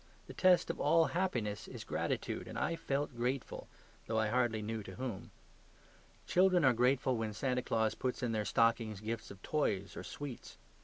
The test of all happiness is gratitude; and I felt grateful, though I hardly knew to whom. Children are grateful when Santa Claus puts in their stockings gifts of toys or sweets.